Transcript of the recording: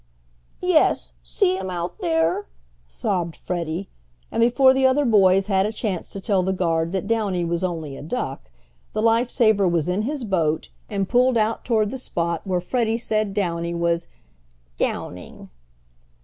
"Yes, see him out there," sobbed Freddie, and before the other boys had a chance to tell the guard that Downy was only a duck, the life saver was in his boat, and pulling out toward the spot where Freddie said Downy was "downing"!